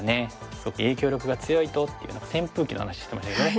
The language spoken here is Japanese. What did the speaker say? すごく影響力が強いとっていう扇風機の話してましたけどね。